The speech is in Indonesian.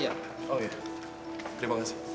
oh ya terima kasih